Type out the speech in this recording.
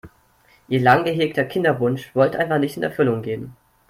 Ihr lang gehegter Kinderwunsch wollte einfach nicht in Erfüllung gehen.